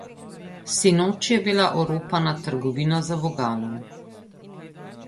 Sinoči je bila oropana trgovina za vogalom.